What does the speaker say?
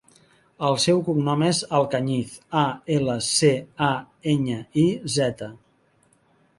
El seu cognom és Alcañiz: a, ela, ce, a, enya, i, zeta.